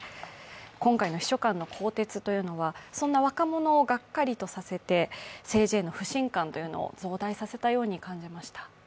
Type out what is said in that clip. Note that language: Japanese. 今回の秘書官の更迭というのは、そんな若者をがっかりさせて、政治への不信感を増大させたように感じました。